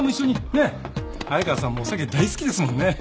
早川さんもお酒大好きですもんね。